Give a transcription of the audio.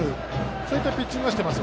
そういったピッチングをしています。